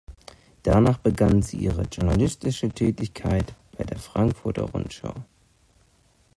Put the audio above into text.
Danach begann sie ihre journalistische Tätigkeit bei der Frankfurter Rundschau.